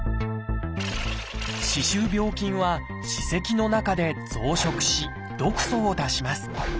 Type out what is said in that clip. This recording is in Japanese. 歯周病菌は歯石の中で増殖し毒素を出します。